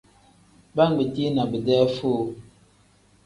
Baa ngbetii na bidee foo.